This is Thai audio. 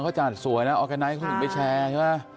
เขาจัดสวยนะออร์แกไนท์เขาถึงไปแชร์ใช่ไหม